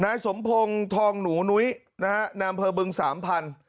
นายสมพงศ์ทองหนูนุ้ยนะฮะนามเภบึงสามพัน